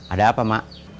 ada apa emak